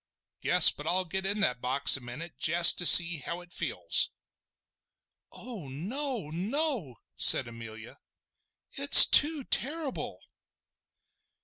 Guess but I'll get in that box a minute jest to see how it feels!" "Oh no! no!" said Amelia. "It is too terrible!"